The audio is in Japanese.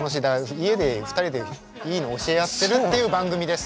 家で２人でいいの教え合ってるっていう番組です。